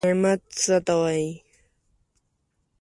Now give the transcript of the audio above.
نعت څه ته وايي؟